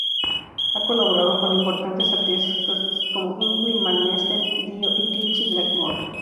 Ha colaborado con importantes artistas como Yngwie Malmsteen, Dio y Ritchie Blackmore.